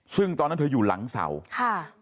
ซึ่งตอนนั้นเธออยู่หลังเสาค่ะ